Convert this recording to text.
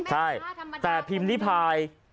ใช่แต่พิมพ์ริพาย